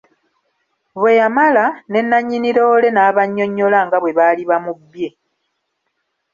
Bwe yamala, ne nannyini loole n'abannyonnyola nga bwe baali bamubbye.